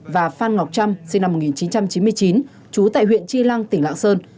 và phan ngọc trâm sinh năm một nghìn chín trăm chín mươi chín trú tại huyện chi lăng tỉnh lạng sơn